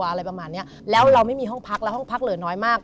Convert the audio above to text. อะไรประมาณเนี้ยแล้วเราไม่มีห้องพักแล้วห้องพักเหลือน้อยมาก